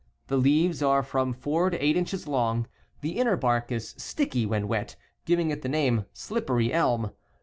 The leaves are from fourto eight inches long. The inner bark is sticky when wet, giving it the name " slippery elm."